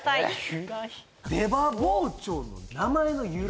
・由来出刃包丁の名前の由来？